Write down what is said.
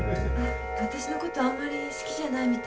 あたしのことあんまり好きじゃないみたい。